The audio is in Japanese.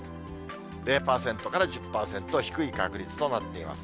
０％から１０％、低い確率となっています。